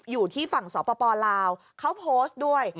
อยู่ที่ฝั่งสปลาวเขาโพสต์ด้วย